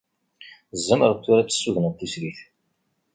Tzemreḍ tura ad tessudneḍ tislit.